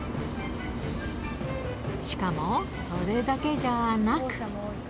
しかも、それだけじゃなく。